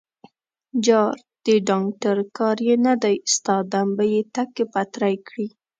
_جار، د ډانګټر کار يې نه دی، ستا دم به يې ټک پتری کړي.